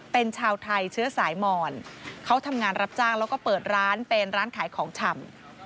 เป็นชาวไทยเชื้อสายหมอนเขาทำงานรับจ้างแล้วก็เปิดร้านเป็นร้านขายของชำ